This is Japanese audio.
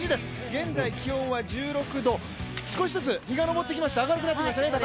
現在、気温は１６度少しずつ日が昇って明るくなってきましたね。